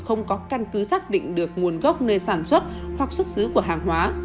không có căn cứ xác định được nguồn gốc nơi sản xuất hoặc xuất xứ của hàng hóa